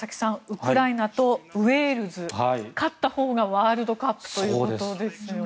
ウクライナとウェールズ勝ったほうがワールドカップということですよね。